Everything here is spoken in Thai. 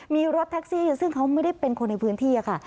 มีรถแท็กซี่ซึ่งเขาไม่ได้เป็นคนในพื้นที่ค่ะ